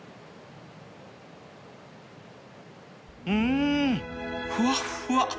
んふわっふわ